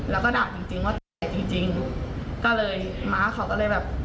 แล้วก็ด่าจริงว่าเหลียดจริงก็เลยม้าเขาก็เลยแบบ